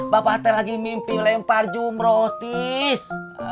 bapak terlagi mimpi lempar jumlah ntis